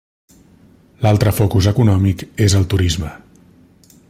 L'altre focus econòmic és el turisme.